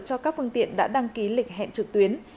cho các phương tiện đã đăng ký lịch hẹn trực tuyến